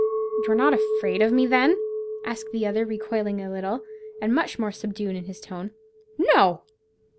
"You're not afraid of me, then?" asked the other, recoiling a little, and much more subdued in his tone. "No!"